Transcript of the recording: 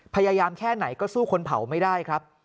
พยายามแค่ไหนก็สู้คนเผาไม่ได้ครับ